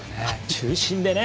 中心でね。